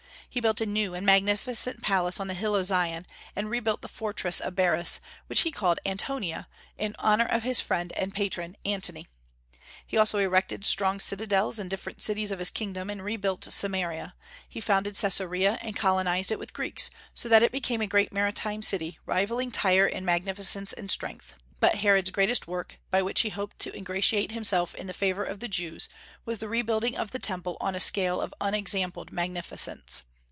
He built a new and magnificent palace on the hill of Zion, and rebuilt the fortress of Baris, which he called Antonia in honor of his friend and patron, Antony. He also erected strong citadels in different cities of his kingdom, and rebuilt Samaria; he founded Caesarea and colonized it with Greeks, so that it became a great maritime city, rivalling Tyre in magnificence and strength. But Herod's greatest work, by which he hoped to ingratiate himself in the favor of the Jews, was the rebuilding of the Temple on a scale of unexampled magnificence.